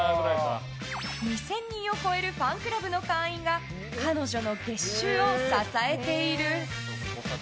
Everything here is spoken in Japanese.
２０００人を超えるファンクラブの会員が彼女の月収を支えている。